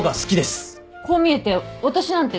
こう見えて私なんてね